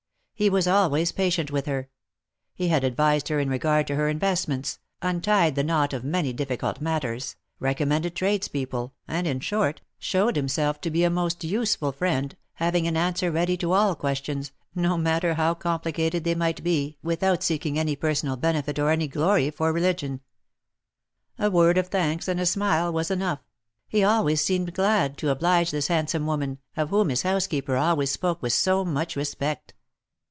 He was always patient with her. He had advised her in regard to her investments, untied the knot of many difficult matters, recommended trades people, and, in short, showed him self to be a most useful friend, having an answer ready to all questions, no matter how complicated they might be, without seeking any personal benefit or any glory for religion. A word of thanks and a smile was enough ; he always seemed glad to oblige this handsome woman, of whom his housekeeper always spoke with so much respect.